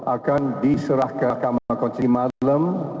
akan diserahkan ke akamah konfisi malam